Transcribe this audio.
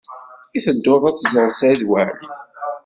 I tedduḍ ad teẓreḍ Saɛid Waɛli?